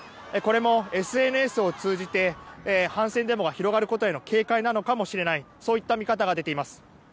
これもＳＮＳを通じて反戦デモが広がることへの警戒なのかもしれないそういった見方が出ています。